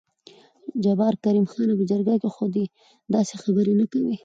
جبار: کريم خانه په جرګه کې خو دې داسې خبرې نه کوې.